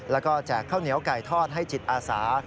แล้วก็แจกข้าวเหนียวไก่ทอดให้จิตอาสา